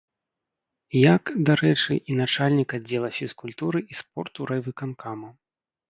Як, дарэчы, і начальнік аддзела фізкультуры і спорту райвыканкама.